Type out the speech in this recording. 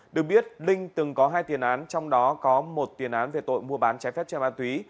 được biết linh từng có hai tiền án trong đó có một tiền án về tội mua bán trái phép trên ma túy